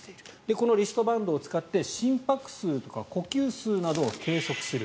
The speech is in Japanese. このリストバンドを使って心拍数とか呼吸数を計測する。